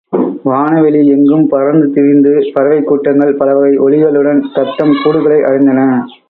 வான வெளி எங்கும் பறந்து திரிந்த பறவைக் கூட்டங்கள் பலவகை ஒலிகளுடன் தத்தம் கூடுகளை அடைந்தன.